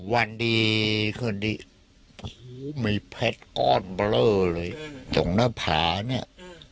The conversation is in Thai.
วันดีคืนดีมีเพชรก้อนเบลอเลยตรงหน้าผาเนี่ย